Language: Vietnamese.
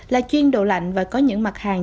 là chuyên đồ lạnh và có những mặt hàng